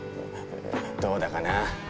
どうだかなあ。